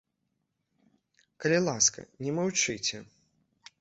Калі ласка, не маўчыце!